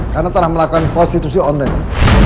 karena telah melakukan prostitusi online